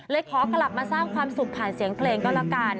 ขอกลับมาสร้างความสุขผ่านเสียงเพลงก็ละกัน